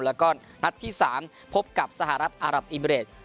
แล้วก็นัดที่๓พบกับสหรัฐอารับอิมิเรต